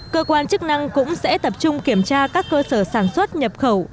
cơ quan chức năng cũng sẽ tập trung kiểm tra các cơ sở sản xuất nhập khẩu